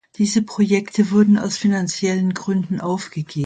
Diese Projekte wurden aus finanziellen Gründen aufgegeben.